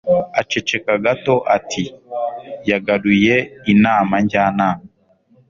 Aceceka gato ati: "Yagaruye Inama Njyanama".